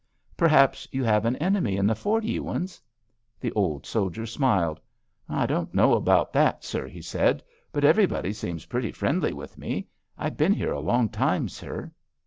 "Perhaps you have an enemy in the fort, Ewins?" The old soldier smiled. "I don't know about that, sir," he said; "but everybody seems pretty friendly with me. I have been here a long time, sir."